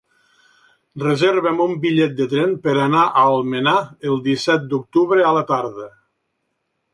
Reserva'm un bitllet de tren per anar a Almenar el disset d'octubre a la tarda.